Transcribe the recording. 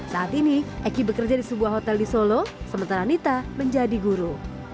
saat ini eki bekerja di sebuah hotel di solo sementara nita menjadi guru